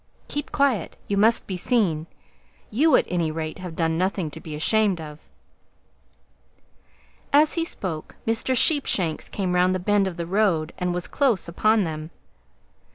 "Keep quiet. You must be seen. You, at any rate, have done nothing to be ashamed of." As he spoke, Mr. Sheepshanks came round the bend of the road and was close upon them.